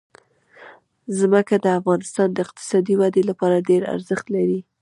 ځمکه د افغانستان د اقتصادي ودې لپاره ډېر ارزښت لري.